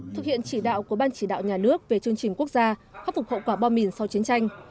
thực hiện chỉ đạo của ban chỉ đạo nhà nước về chương trình quốc gia khắc phục hậu quả bom mìn sau chiến tranh